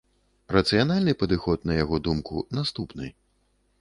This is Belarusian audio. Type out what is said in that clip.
Рацыянальны падыход, на яго думку, наступны.